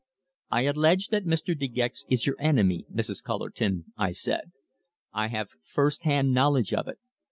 "I allege that Mr. De Gex is your enemy, Mrs. Cullerton," I said. "I have first hand knowledge of it.